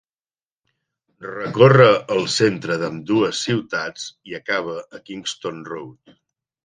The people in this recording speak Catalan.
Recorre el centre d'ambdues ciutats i acaba a Kingston Road.